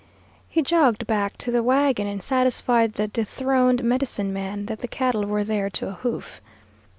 "He jogged back to the wagon and satisfied the dethroned medicine man that the cattle were there to a hoof.